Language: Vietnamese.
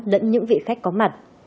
đẫn những vị khách có mặt